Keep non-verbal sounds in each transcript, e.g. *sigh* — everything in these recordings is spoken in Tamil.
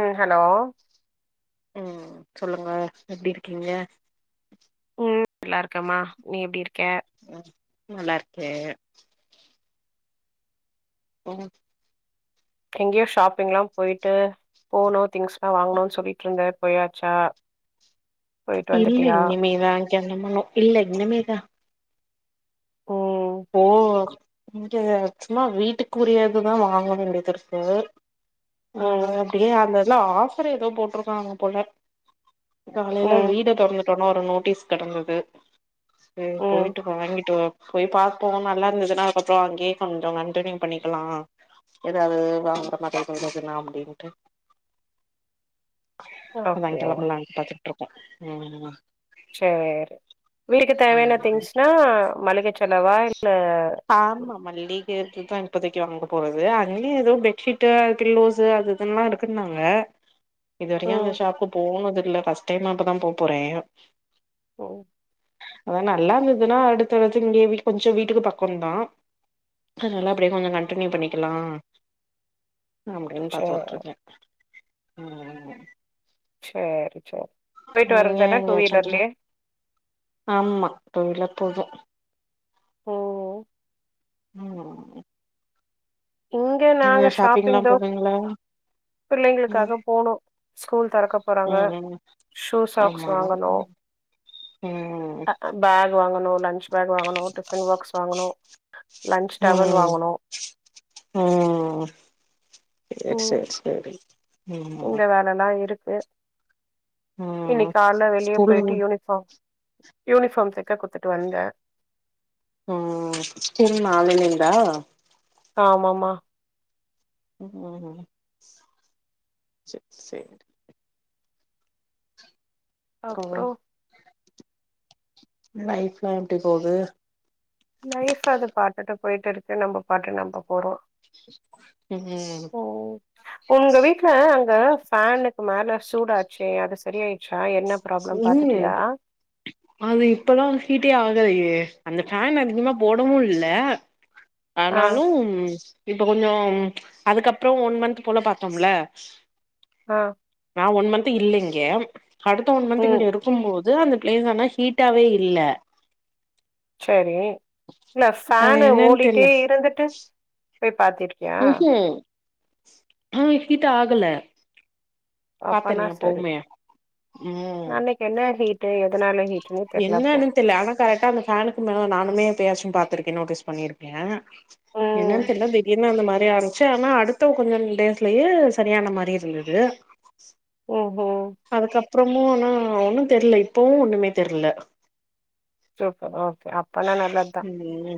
ம் ஹலோ ம் சொல்லுங்க எப்டி இருக்கீங்க ம் நல்லா இருக்கமா நீ எப்டி இருக்க ம் நல்லா இருக்கே ம் எங்கேயோ ஷாப்பிங்லா போயிட்டு போணு திங்ஸ்ல்லா வாங்கணுன்னு சொல்லிட்டு இருந்த போயாச்சா போயிட்டு இல்ல வந்துட்டியா இனிமேதா கெளம்பனும் இல்ல இனிமேதா ம் ஓ இங்க சும்மா வீட்டுக்குரியதுதா வாங்க வேண்டியது இருக்கு அ ம் அப்டியே அந்தலா ஆஃபர் ஏதோ போட்ருக்காங்க போல காலையில ம் வீட திறந்துட்டோனா ஒரு நோட்டீஸ் கெடந்தது சரி ம் போயிட்டு வாங்கிட்டு வா போய் பாத் போகமாரில்லா இருந்ததுன்னா அதுக்கப்பறோ அங்கேயே கொஞ்சோ கண்டனியூ பண்ணிக்கலா ஏதாவது வாங்குற மாதிரிஇருந்ததுனா அப்படின்ட்டு அதா அப்டியா கெளாம்பல்லான்னு பாத்துட்டு இருக்கோ ம் சேரி வீட்டுக்கு தேவையான ம் திங்ஸ்னா மளிகை செலவா இல்ல ஆமா மல்லிகைத இதுதா இப்பதைக்கு வாங்க போறது அங்கேய ஏதோ பெட்ஷீட்டு பில்லோஸ்சு அது தென்னா இருக்குன்னாங்க இதுவரைய ம் அந்த ஷாப்புக்கு போனது இல்ல ஃபஸ்ட் டைம் இப்பதா போ போறே ஓ அதா நல்லா இருந்ததுன்னா அடுத்தடுத்து இங்கேயே கொஞ்சோ வீட்டுக்கு பக்கோந்தா அதுனால அப்டியே கொஞ்சோ கண்டினியூ பண்ணிக்கலா அப்படின்னு பாத்து சேரி விட்டுருக்கே ம் சேரி சரி போயிட்டு நீங்க வர்றதானா டூ எங்கயாச்சு வீலர்லயே ஆமா டூ வீலர் போதும் ஓ ஹோ ம் இங்க நாங்க நீங்க ஷாப்பிங் ஷாப்பிங்லா தோ போவீங்களா ம் பிள்ளைங்ளுக்காக போனு ஸ்கூல் தொறக்க போறாங்க ம் ம் ஷூ சாக்ஸ் ஆமா வாங்கனு ம் ம் பேக் வாங்கனு லன்ச் பேக் வாங்கனு டிஃபன் பாக்ஸ் வாங்கனு லன்ச் டவல் ம் வாங்கனு ம் சேர் சேர் சேரி ம் ரெண் நா இருக்கு ம் இன்னிக் கால்ல வெளிய ஸ்கூல் போய்ட்டு யூனிஃபார்ம் யூனிஃபார்ம் தக்க குட்த்துட்டு வந்தே ம் திரும்ப நாளைலந்தா ஆமாமா ம் சேர் சேரி அப்றோ லைஃப்லா எப்டி போது லைஃப் அது பாட்டுட்டு போய்ட்ருக்கு நம்ப பாட்டு நம்ப போறோ ம் ம் உங்க வீட்ல அங்க ஃபேனுக்கு மேல சூடாச்சே அது சரியாயிர்ச்சா என்ன ப்ராப்ளம் பாத்துட்டியா செய்யி அது இப்பதா ஹீட்டே ஆகலையே அந்த ஃபேன் அதிகமா போடவு இல்ல ஆ ஆனாலும் இப்ப கொஞ்சோம் அதுக்கப்றோ ஒன் மன்த் போல பாத்தோம்ல ஆ நா ஒன் மன்த் இல்ல இங்க ட்டா ஒன் மன்த் ம் இங்க இருக்கும்போது அந்த பிளேஸ் ஆனா ஹீட்டாவே இல்ல சேரி இல்ல அது ஃபேனு என்னன் தெர்ல ஓடிட்டே இருந்துட்டு போய் பாத்திருக்கியா ம் ஹும் ஹீட்டாகல அப்பனா செரி ம் அன்னக்கி என்ன ஹீட்டு எதனால ஹீட்டுனே தெர்லப்போ த்தில்ல ஆனா கரெக்டா அந்த ஃபேனுக்கு மேல நானுமே எப்பயாச்சு பாத்திருக்கே நோட்டீஸ் பண்ணிருக்கே ம் என்னன் தெர்ல திடீர் னு அந்த மாரி ஆரம்ச்சு ஆனா அடுத்த கொஞ்சோ டேஸ்லயே சரியான மாரி இருந்தது ஓ ஹோ அதுக்கப்றமு ஆனா ஒன்னு தெர்ல இப்பவு ஒண்ணுமே தெர்ல சூப்பர் ஓகே அப்பனா நல்லதா ம்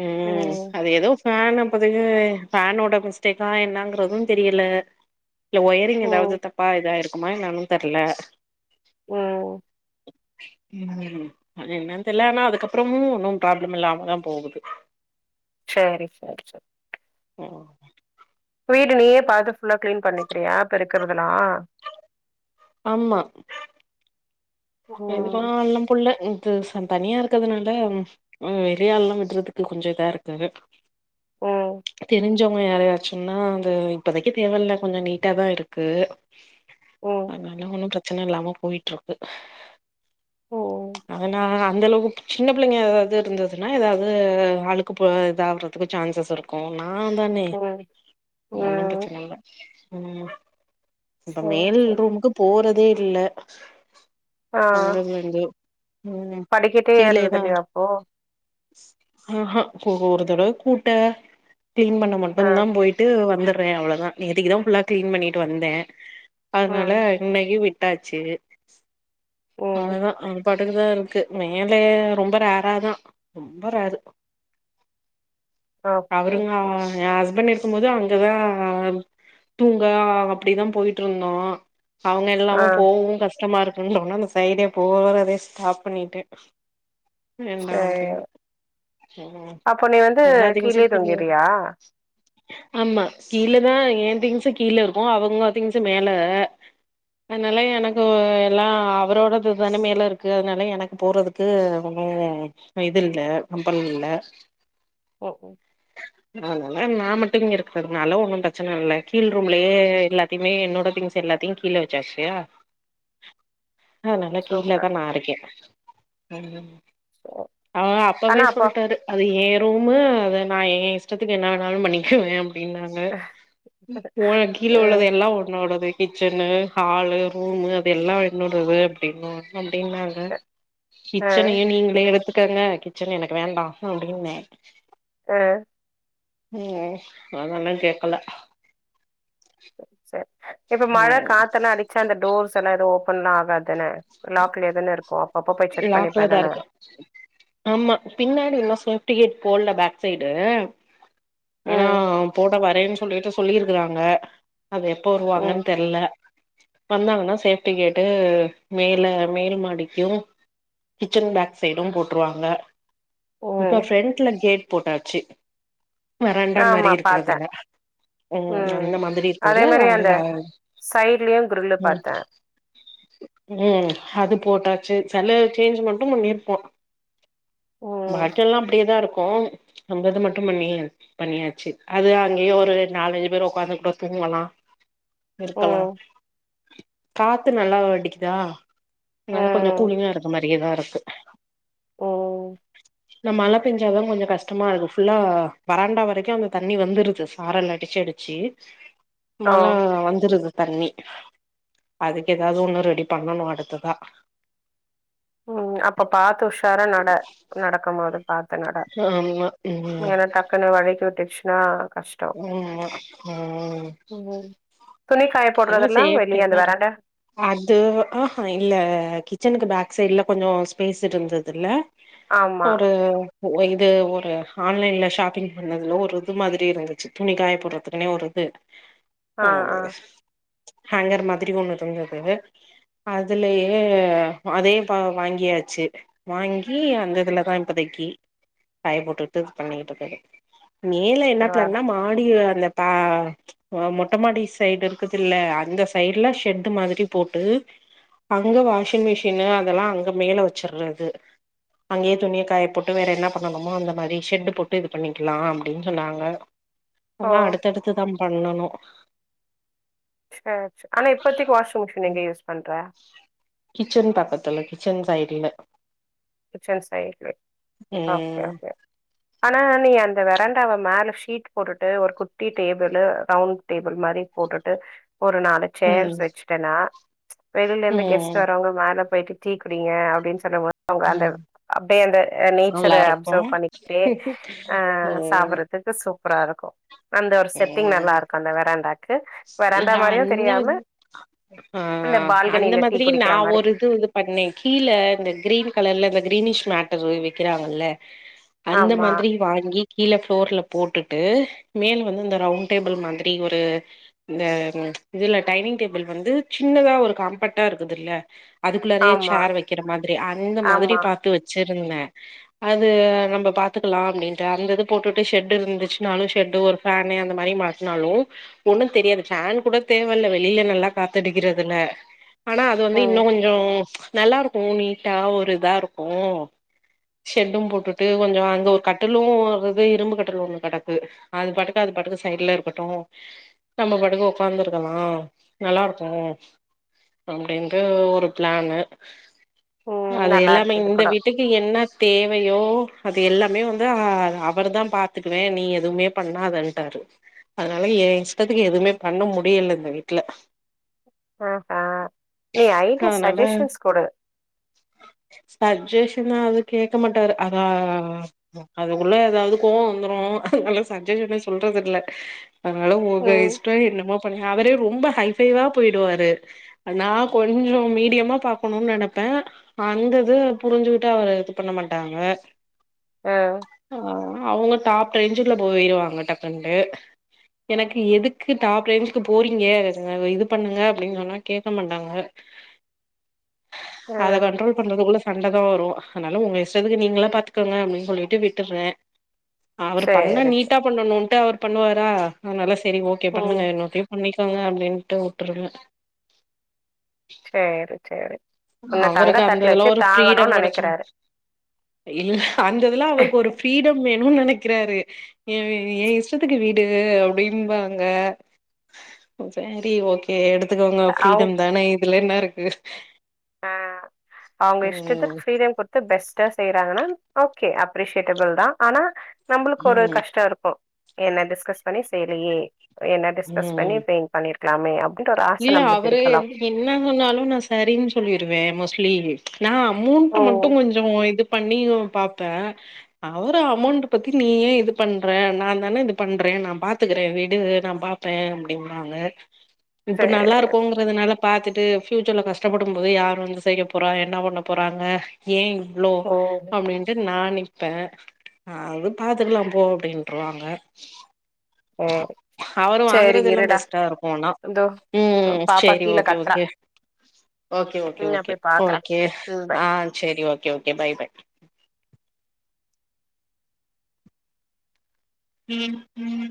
ம் அது எதோ ஃபேன் அப்பதைக்கி ஃபேனோட மிஸ்டேக்கா என்னங்கறது தெரில இல்ல ஒயரிங் ம் எதாவ்து தப்பா இதாயிருக்குமா என்னானு தெர்ல ம் ம் என்னன் தெர்ல ஆனா அதுக்கப்றமு ஒன்னு ப்ராப்ளம் இல்லாம தா போகுது சேரி சேர் சேர் ம் வீடு நீயே பாத்து ஃபுல்லா கிளீன் பண்ணிக்கிறியா பெருக்குறதெல்லா ஆமா ம் *unintelligible* புள்ள *unintelligible* தனியா இருக்கறதுனால ம் வெளியாள்ல்லா விட்றதுக்கு கொஞ்சோ இதாருக்கு ஓ தெருஞ்சவுங்க யாரயாச்சுன்னா அது இப்போதைக்கு தேவ இல்ல கொஞ்சோ நீட்டா தா இருக்கு ம் அதுனால ஒன்னு பிரச்சன இல்லாம போயிட்ருக்கு ம் அதுனால அந்த அளவுக்கு சின்ன பிள்ளேங்க ஏதாவது இருந்ததுன்னா ஏதாவது அழுக்கு ப இதாகறதுக்கு சான்சஸ் இரு இருக்கும் க்கு நா தானே ம் ஒன்னு ம் பிரச்சன இல்ல ம் இப்ப சரி மேல் சரி ரூமுக்கு போறதே இல்ல ஆ வந்ததுல இருந்து ம் படிக்கட்டே கிழயே ஏர்றது தா இல்லையா இரு அப்போ ஆஹ ஒருதடவ கூட்ட கிளீன் பண்ண ஆ மட்டுந்தா போயிட்டு வந்தறே அவ்ளோதா நேத்திக்கிதா ஃபுல்லா கிளீன் பண்ணிட்டு வந்தே அதுனால ம் இன்னைக்கி விட்டாச்சு அவ்ள ம் தா பாட்டுக்குதா இருக்கு மேலே ரொம்ப ரேறாதா ரொம்ப ரேரு ஓகே அவருங்க ஓகே எ ஹஸ்பண்ட் இருக்கும் போது அங்கதா தூங்க அப்டிதா போயிட்ருந்தோ அவுங்க ஆ இல்லாம போகவு கஷ்டமா இருக்குன்டோனோ அந்த சைடே போறதே ஸ்டாப் பண்ணிட்டே வேண்டா சேர் அப்டின்னு ம் அப்ப நீ வந்து எல்லா திங்ஸு கீழயே கீழ தூங்கிற்றியா *inaudible* ஆமா கீழதா ஏ திங்சு கீழ இருக்கு அவங்க திங்சு மேல அதுனால எனக்கு எல்லா அவரோடதுது தான மேல இருக்கு அதனால எனக்கு போறது க்கு ஒன்னு இது இல்ல கம்பல் இல்ல ஓ உம் *unintelligible* அதுனால நா மட்டு இங்க இருக்கறதுனால ஒன்னு பிரச்சன இல்ல கீழ் ரூம்லயே எல்லாத்தையுமே என்னோட திங்ஸ் எல்லாத்தையு கீழ வச் சாஸ்ஸூ அதுனால கீழ சூப்பர் தா நா இருக்கே அவரு ஆனா அப்பவே அப்பா சொல்ட்டாரு அது ஏ ரூம்மு அத நா எ இஷ்டத்துக்கு என்ன வேணாலு பண்ணிக்குவே அப்டின்னாங்க ஓனர் கீழ உள்ளது ம் எல்லா ஒன்னோடது கிச்சன்னு ஹாலு ரூமு அது எல்லா என்னோடுது அப்டின்னு அப்படின்னாரு க ம் கிச்சனயு நீங்களே எடுத்துக்கங்க கிச்சன் எனக்கு வேண்டா அப்டின்னே ஆ அ அதெல்லா கேக்கல சர் இப்ப மழ ம் காத்தலா அடி சா அந்த டோர்ஸ்ஸல்லா எது ஓப்பன்ல்லா ஆகாத்தான லாக்லயே தான இருக்கு அப்ப அப்ப போய் செக் பண்ணிப்ப லாக்லதா தான இருக்கு ஆமா பின்னாடி இன்னு சேஃப்டி கேட் போட்ல பேக் சைடு ஆனா ம் போட வரேன்னு சொல்லிட்டு சொல்லிருக்குறாங்க அது எப்ப ம் வருவாங்கன் தெர்ல வந்தாங்கன்னா சேஃப்டி கேட்டு மேல மேல் மாடிக்கு கிச்சன் பேக் சைடு போட்ருவாங்க இப்ப ம் ஃப்ரண்ட்ல கேட் போட்டாச்சு வராண்டா மாரி ஆமா பாத்தே இருக்கறதுல்ல ம் அந்த மாதிரி அதே இருக்குல்ல மாரி அந்த வறண்டா சைட்லயு கிரில்லு ம் பாத்தே ம் அது போட்டாச்சு செல சேஞ்ச் மட்டு பண்ணிருப்போ ம் பட் எல்லா அப்டியேதா இருக்கு அந்தது மட்டு பண்ணி பண்ணியாச்சு அது அங்கயே ஒரு நாலஞ்சு பேரு உக்காந்து கூட தூங்கலா இருக்கலா ம் காத்து நல்லா அடிக்கிதா அதுனால கொஞ்சோ ம் கு மாரியேதா இருக்கு ஓ இந்த மழை பெஞ்சாதா கொஞ்சோ கஷ்டமா இருக்கு ஃபுல்லா வராண்டா வரைக்கு அந்த தண்ணி வந்துருது சாரல் அடிச்சிடுச்சி ஓ மழ வந்துருது தண்ணி அதுக்கு ஏதாது ஒன்னு ரெடி பண்ணணு அடுத்ததா ம் அப்ப பாத்து உஷாரா நட நடக்கும் போது பாத்து நடா ஆமா ம் ஏன்னா டக்குனு வழிக்கி விட்டுச்சுன்னா கஷ் ம் ம் ம் துணி காய எல்லா போடுறதெல்லா சேப்டியா வெளிய அந்த தா வெராண்ட இருக்கு அது ஆ ஹா இல்ல கிச்சனுக்கு பேக் சைட்ல கொஞ்சோ ஸ்பேஸ் இருந்ததுல ஆமா ஒரு ஓ இது ஒரு ஆன்லைன்ல ஷாப்பிங் பண்ணதுல ஒரு இது மாதிரி இருந்தது துணி காய போட்றதுக்குன்னே ஒரு இது ஆ ஆ ஹோங்கர் மாதிரி ஒன்னு இருந்தது அதுலயே அதே இப்ப வாங்கியாச்சு வாங்கி அந்த இதுலதா இப்போதைக்கி காய போட்டுட்டு இது பண்ணிக்கிட்டு இருக்கறது மேல என்ன பரவால்ல பிளான்னா மாடிய அந்த தா மொட்ட மாடி சைடு இருக்குதுல்ல அந்த சைடுலா ஷெட்டு் மாரி போட்டு அங்க வாஷிங் மிஷினு அதெல்லா அங்க மேல வெச்சுர்றது அங்கேயே துணிய காய போட்டு வேற என்ன பண்ணணுமோ அந்த மாரி ஷெட்டு போட்டு இது பண்ணிக்கலா அப்டின் சொன்னாங்க ஓ அதல்லா அடுத்தடுத்துதா பண்ணணு சேர் சேர் ஆனா இப்பத்திக்கு வாஷி்ங் மிஷின் எங்க யூஸ் பண்ற கிச்சன் பாக்கத்துல கிச்சன் சைடுல கிச்சன் சைட்ல ஓகே ம் ஓகே *inaudible* ஆனா நீ அந்த வெரண்டாவ மேல ஷீட் போட்டுட்டு ஒரு குட்டி டேபுளு ரவுண்ட் டேபிள் மாரி போட்டுட்டு ஒரு நாளைக்கு சேர்ஸ் ம் வெச்சுட்டேன்னா வெளியில இருந்து கெஸ்ட் ம் வரவங்க மேல போயிட்டு டீகுடிங்க அப்டின்னு சொல்லும் போது அவுங்க அந்த ம் அப்டியே அந்த நேச்சர நல்லா இருக்கு அப்செவ் பண்ணிக்கிட்டே அ ம் சாப்புட்றது சூப்பராக இருக்கு அந்த ஒரு செட்டிங் நல்லா ம் இருக்கு அந்த வெராண்டாக்கு இல்ல வெராண்டா மாரியு அந்த தெரியாம ஆ ஆ இந்த அந்த பால்கனில டீ மாதிரி நா குடிக்கிற மாரி ஒரு இது இது பண்ணௌ கீழ இந்த கிரீன் கலர்ல இந்த கிரீனிஷ் மேட்டர் வெக்கிறாங்கல்ல அந்த ஆமா மாதிரி வாங்கி கீழே ப்ளோர்ல போட்டுட்டு மேல வந்து இந்த ரவுண்ட் டேபிள் மாதிரி ஒரு இந்த இதுல டைனிங் டேபிள் வந்து சின்னதா ஒரு காம்பேக்ட்டா இருக்குதுல்ல அதுக்குள்ளறையே ஆமா சேர் வெக்கிற மாதிரி அந்த மாதிரி ஆமா பாத்து வெச்சிருந்த அது நம்ம பாத்துக்கலா அப்டின்ட்டு அந்த இது போட்டுட்டு ஷெட்டு் இருந்துச்சுனாலு ஷெட்டு ஒரு ஃபேனு அந்த மாரி மாட்னாலோ ஓன்னு தெரியாது ஃபேன் கூட தேவ இல்ல வெளியில நல்லா காத்தடிக்கிறதுனல ஆனா அது வந்து ம் இன்னு கொஞ்சோ நல்லா இருக்கு நீட்டா ஒரு இதா இருக்கு ஷெட்டு போட்டுட்டு கொஞ்சோ அங்க ஒரு கட்டலு அது அது இரும்பு கட்டலு ஒன்னு கடக்கு அது பாட்டுக்கு அது பாட்டுக்கு சைட்ல இருக்கட்டு நம்ம பட்டுக்கு ஒக்காந்து இருக்கலா நல்லா இருக்கு அப்டின்ற ஒரு பிளானு ம் அது நல்லா எல்லாமே இருக்கு இது இந்த கூட வீட்டுக் என்ன தேவையோ அது எல்லாமே வந்து அவர் தா பாத்துக்குவே நீ எதுவுமே பண்ணாத ன்டாரு அதனால ஏ இஷ்டத்துக்கு எதுவுமே பண்ண முடியல இந்த வீட்ல ஆ ஆ நீ ஐடியா சஜெஷன்ஸ் குடு சஜேஷ்னா அது கேட்க மாட்டாரு அதா அதுக்குள்ள ஏதாவது கோவோ வந்துரு அதுனால சஜ்ஷனே சொல்றதுல்ல அதனால உங்க ம் இஷ்டோ என்னமோ பண்ணு அவரே ரொம்ப ஹைப் ஃபைவ் வா போயிடுவாரு நா கொஞ்சோ மீடியமா பாக்கணுன்னு நெனைப்பே அந்தது புரிஞ்சுகிட்டா அவர் இது பண்ண மாட்டாங்க ஆ ஆ அவுங்க டாப் ரேஞ்சுல போயிருவாங்க டக்குன்ட்டு எனக்கு எதுக்கு டாப் ரேஞ்சுக்கு போறீங்க இது பண்ணுங்க அப்டின்னு சொன்னா கேக்க மாட்டாங்க அத ம் கண்ட்ரோல் பண்றதுக்குல்ல சண்ட தா வரு அதனால உங்க இஷ்டத்துக்கு நீங்களா பாத்துக்கோங்க அப்டின்னு சொல்லிட்டு விட்டுர்றே அவரு பண்ணா சேரி சேரி நீட்டா பண்ணணுன்ட்டு அவர் பண்ணுவாரா அதனால செரி ஓகே ம் பண்ணுங்க இன்னொரு டைம் பண்ணிக்கோங்க அப்டின்னுட்டு விட்டுருவே சேரி சேரி உன்ன தங்க அவருக்கு அந்த தட்டல இதுல வச்சு ஒரு ஃப்ரீடம் தாங்கணுன்னு கெடச்சனு நெனைக்கிறாரு இல்ல அந்த இதெல்லா அவருக்கு ஒரு பிரீடம் வேணுன்னு நெனைக்கிறாரு ஏ ஏ இஷ்டத்துக்கு விடு அப்டிம்பாங்க சரி ஓகே எடுத்துக்கோங்க அவு பீரீடம் தானே இதுல என்ன இருக்கு ஆ அவுங்க இஷ்டத்துக்கு ம் பீரீடம் குடு த்து பெஸ்ட்டா செய்யறாங்கன்னா ஓகே அப்ரிஷேட்டபிள்தா ஆனா நம்பளுக்கு ஒரு ம் கஷ்டோ இருக்கு என்ன டிஸ்கஸ் பண்ணி செய்லையே என்ன டிஸ்கஸ் பண்ணி ம் பண்ணிருக்கலாமே அப்டின்ட்டு ஒரு ஆசை இல்ல நம்மளுக்கு அவரு இருக்கலா என்ன சொன்னாலு நா சரின்னு சொல்லிருவே மோஸ்ட்லி நா அமௌண்ட் ஓ மட்டு கொஞ் சோ இது பண்ணியு பாப்பே அவர் அமௌண்ட் பத்தி நீ ஏ இது பண்ற நா தான இது பண்றே நா பாத்துக்குறே விடு நா பாப் பே அப்டின்பாங்க இப்ப நல்லா இரு சேரி போங்கறதுனால பாத்துட்டு பியூச்சர்ல கஷ்டப்படும் போது யாரு வந்து செய்ய போறா என்ன பண்ண போறாங்க ஏ இவ்ளோ ஓ அப்டின்ட்டு நா நிப் பே அது பாத்துக்கலா போ அப்டின்றுவாங்க அவரு சேரி வாங்கறதெல்லா இருடா பெஸ்ட்டா இருக்கு ஆனா இதோ ம் பாப்பா சேரி கீழ ஓகே கத்றா ஓகே ஓகே ஓகே ம் நா ஓகே போய் பாக்குறேன் ஓகே ம் பாய் ஆ ஆ செரி ஓகே ஓகே பாய் பாய் ம் ம்